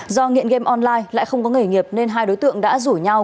do nghiện game online lại không có nghề nghiệp nên hai đối tượng đã rủ nhau